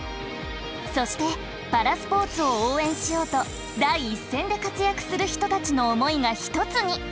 そしてパラスポーツを応援しようと第一線で活躍する人たちの思いが一つに。